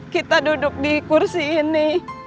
kita duduk di kursi ini